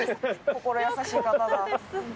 心優しい方だ。